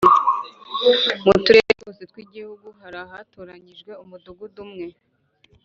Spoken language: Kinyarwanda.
Mu Turere twose tw Igihugu hari hatoranyijwe umudugudu umwe